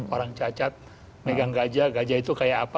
orang cacat megang gajah gajah itu kayak apa